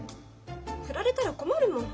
振られたら困るもん。